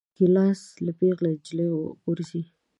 ګیلاس له پېغلې نجلۍ نه غورځي.